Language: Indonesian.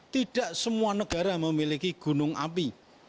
tidak semua negara memiliki gunung api